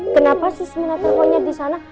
kenapa susmina teleponnya disana